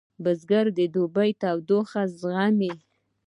بزګر د دوبي تودوخه زغمي